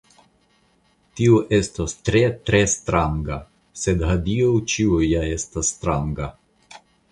Tio estos tre, tre stranga, sed hodiaŭ ĉio ja estas stranga.